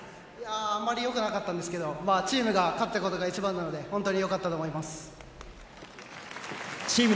あまり良くなかったんですけどチームが勝てたことが一番なので良かったと思います。